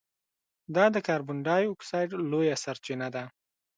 دا د کاربن ډای اکسایډ لویه سرچینه ده.